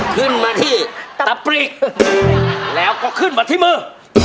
ขึ้นมาที่ตะปริกแล้วก็ขึ้นมาที่มือ